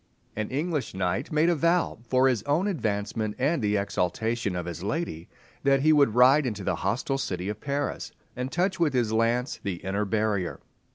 An English knight made a vow, "for his own advancement and the exaltation of his lady," that he would ride into the hostile city of Paris, and touch with his lance the inner barrier.